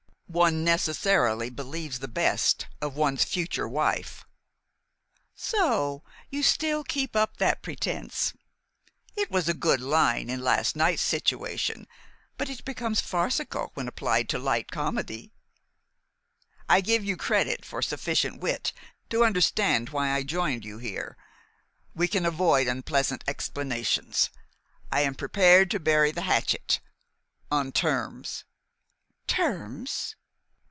"One necessarily believes the best of one's future wife." "So you still keep up that pretense? It was a good line in last night's situation; but it becomes farcical when applied to light comedy." "I give you credit for sufficient wit to understand why I joined you here. We can avoid unpleasant explanations. I am prepared to bury the hatchet on terms." "Terms?"